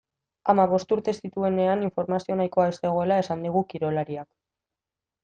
Hamabost urte zituenean informazio nahikoa ez zegoela esan digu kirolariak.